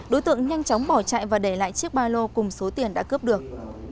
đối tượng nhanh chóng bỏ chạy và để lại chiếc ba lô cùng số tiền đã cướp được